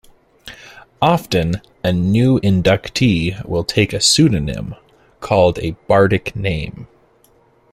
Often a new inductee will take a pseudonym, called a bardic name.